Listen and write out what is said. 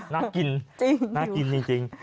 น่ากินน่ากินจริง